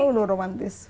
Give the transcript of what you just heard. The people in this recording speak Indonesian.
oh udah romantis